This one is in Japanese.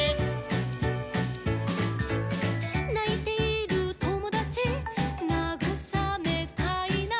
「ないているともだちなぐさめたいな」